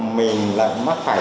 mình lại mắc phải